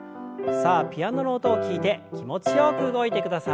さあピアノの音を聞いて気持ちよく動いてください。